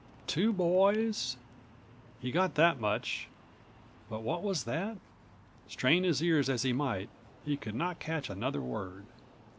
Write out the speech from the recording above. "Two boys—" He got that much, but what was that? Strain his ears as he might, he could not catch another word.